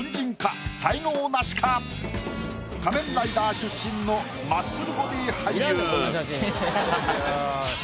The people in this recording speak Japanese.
「仮面ライダー」出身のマッスルボディー俳優。